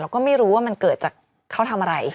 ก็ไม่รู้ว่ามันเกิดจากเขาทำอะไร